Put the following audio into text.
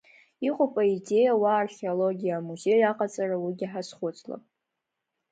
Иҟоуп аидеиа уа археологиа амузеи аҟаҵара уигьы ҳазхәыцлап.